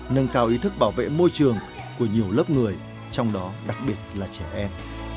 nâng cao ý thức bảo vệ môi trường của nhiều lớp người trong đó đặc biệt là trẻ em